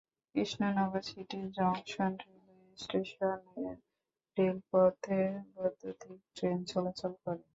Krishnanagar city junction railway station এর রেলপথে বৈদ্যুতীক ট্রেন চলাচল করে।